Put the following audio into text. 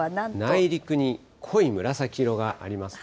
内陸に濃い紫色がありますね。